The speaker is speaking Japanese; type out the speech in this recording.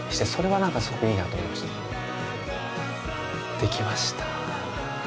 できました！